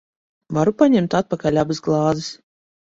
Varu paņemt atpakaļ abas glāzes?